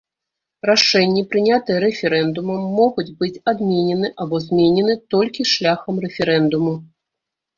Рашэнні, прынятыя рэферэндумам, могуць быць адменены або зменены толькі шляхам рэферэндуму.